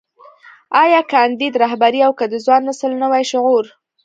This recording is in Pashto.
ايا کانديد رهبري او که د ځوان نسل نوی شعور.